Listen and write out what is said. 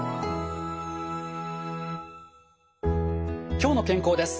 「きょうの健康」です。